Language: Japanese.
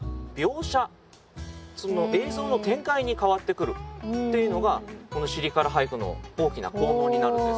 映像の展開に変わってくるというのがこの「尻から俳句」の大きな効能になるんです。